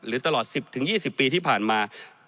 ตลอด๑๐๒๐ปีที่ผ่านมา